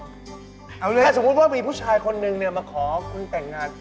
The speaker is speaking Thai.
ถ้าสมมุติว่ามีผู้ชายคนนึงมาขอคุณแต่งงาน